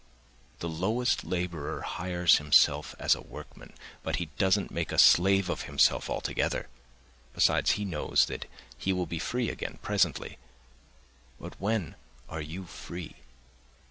The lowest labourer hires himself as a workman, but he doesn't make a slave of himself altogether; besides, he knows that he will be free again presently. But when are you free?